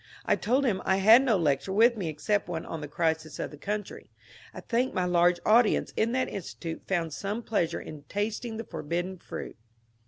I told him I had no lecture with me except one on the crisis of the country. I think my large audience in that Institute found some pleasure in tasting tiie forbidden fruit.